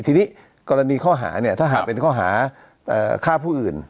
ทีนี้กรณีข้อหาเนี่ยถ้าหากเป็นข้อหาฆ่าผู้อื่น